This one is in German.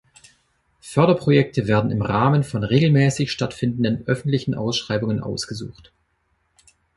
Förderprojekte werden im Rahmen von regelmäßig stattfindenden öffentlichen Ausschreibungen ausgesucht.